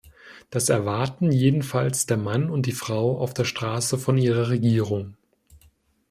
Das erwarten jedenfalls der Mann und die Frau auf der Straße von ihrer Regierung.